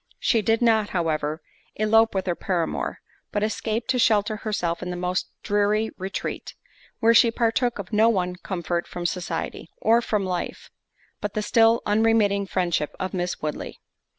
She did not, however, elope with her paramour, but escaped to shelter herself in the most dreary retreat; where she partook of no one comfort from society, or from life, but the still unremitting friendship of Miss Woodley.